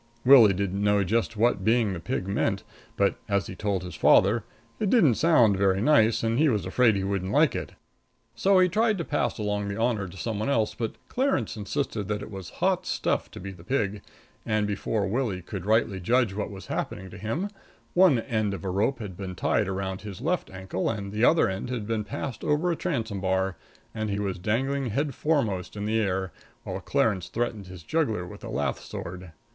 Willie didn't know just what being the pig meant, but, as he told his father, it didn't sound very nice and he was afraid he wouldn't like it. So he tried to pass along the honor to some one else, but Clarence insisted that it was "hot stuff to be the pig," and before Willie could rightly judge what was happening to him, one end of a rope had been tied around his left ankle and the other end had been passed over a transom bar, and he was dangling headforemost in the air, while Clarence threatened his jugular with a lath sword.